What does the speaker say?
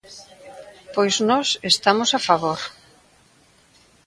Pois nós estamos a favor.